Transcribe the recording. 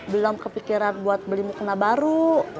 belum kepikiran buat beli mukena baru